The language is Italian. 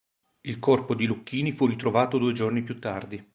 Il corpo di Lucchini fu ritrovato due giorni più tardi.